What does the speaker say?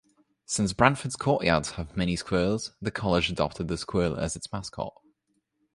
Since Branford's courtyards have many squirrels, the college adopted the squirrel as its mascot.